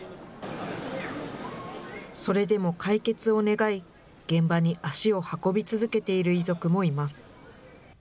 それでも解決を願い、現場に足を運び続けている遺族もいます。